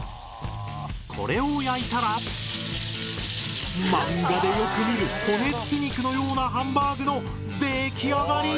これを焼いたらマンガでよく見る骨付き肉のようなハンバーグの出来上がり！